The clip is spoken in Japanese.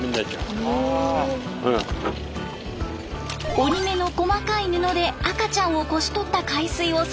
織り目の細かい布で赤ちゃんをこし取った海水を採取します。